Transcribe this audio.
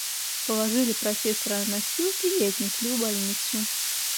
Положили профессора на носилки и отнесли в больницу.